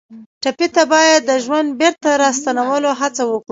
ټپي ته باید د ژوند بېرته راستنولو هڅه وکړو.